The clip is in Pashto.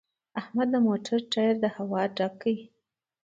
احمد د موټر ټایر له هوا ډېر ډک کړ